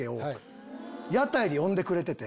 屋台で呼んでくれてて。